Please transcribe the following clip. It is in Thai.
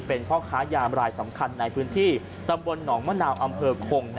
เป็นพ่อค้ายามรายสำคัญในพื้นที่ตำบลหนองมะนาวอำเภอคง